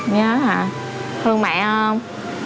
nhớ hả thương mẹ không